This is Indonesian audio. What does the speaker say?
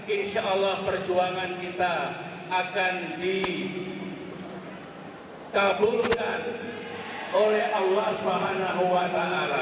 insya allah perjuangan kita akan dikabulkan oleh allah swt